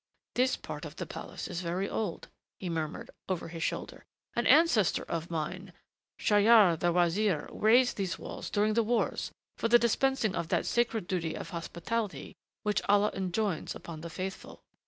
"This part of the palace is very old," he murmured, over his shoulder. "An ancestor of mine, Sharyar the Wazir, raised these walls during the wars for the dispensing of that sacred duty of hospitality which Allah enjoins upon the faithful.